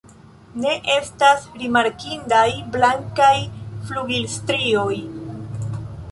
Ne estas rimarkindaj blankaj flugilstrioj.